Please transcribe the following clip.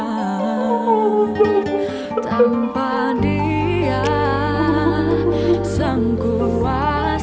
kau tak pernah mencinta